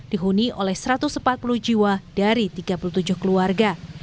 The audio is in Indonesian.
dihuni oleh satu ratus empat puluh jiwa dari tiga puluh tujuh keluarga